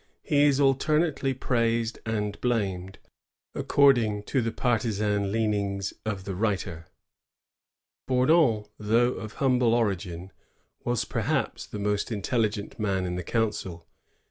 He is alternately praised and blamed, according to the partisan leanings of the writer. Bourdon, though of humble origin, was, perhaps, the most intelligent man in the council.